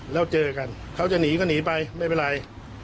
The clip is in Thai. แล้วเจอกันเขาจะหนีก็หนีไปไม่เป็นไร